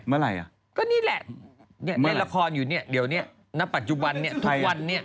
อะไรอ่ะก็นี่แหละเล่นละครอยู่เนี่ยเดี๋ยวนี้ณปัจจุบันเนี่ยทุกวันนี้